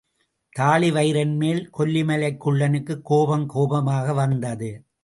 தாழிவயிறன் மேல் கொல்லிமலைக் குள்ளனுக்குக் கோபம் கோபமாக வந்தது.